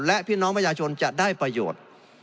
และพี่น้องประชาชนจะได้ประโยชน์